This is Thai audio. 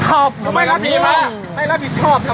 ก็บ่ยบายทำไม